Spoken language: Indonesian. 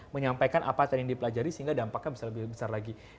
menyampaikan apa tadi yang dipelajari sehingga dampaknya bisa lebih besar lagi